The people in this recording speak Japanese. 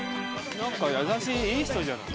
何か優しいいい人じゃない。